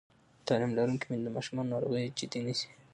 تعلیم لرونکې میندې د ماشومانو ناروغي جدي نیسي.